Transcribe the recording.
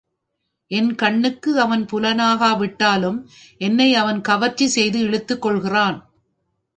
என் கண்ணுக்கு அவன் புலனாகா விட்டாலும், என்னை அவன் கவர்ச்சி செய்து இழுத்துக் கொள்கிறான்.